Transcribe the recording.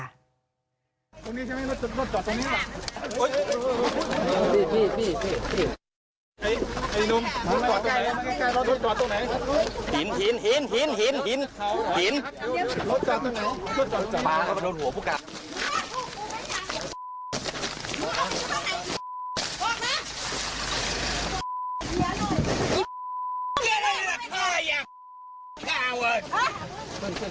ตรงนี้ใช่ไหมรถจอดตรงนี้ล่ะโอ๊ยพี่พี่พี่พี่